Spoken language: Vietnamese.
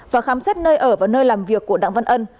và khám xét nơi ở và nơi làm việc của đặng văn ân